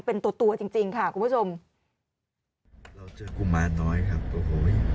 เป็นตัวตัวจริงจริงค่ะคุณผู้ชมเราเจอกุมารน้อยครับโอ้โห